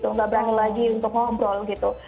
nggak berani lagi untuk ngobrol gitu